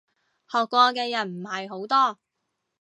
學過嘅人唔係好多